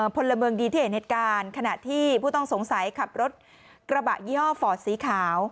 พลเมืองดีที่เห็นเหตุการณ์ขณะที่ผู้ต้องสงสัยขับรถกระบะยี่ห้อฟอร์ดสีขาว